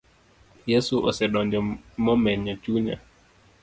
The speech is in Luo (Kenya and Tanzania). Yesu osedonjo momenyo chunya